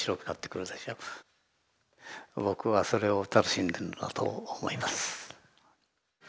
僕はそれを楽しんでるんだと思います。